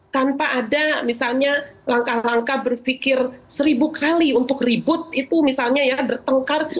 tanpa ada misalnya langkah langkah berpikir seribu kali untuk ribut itu misalnya ya bertengkar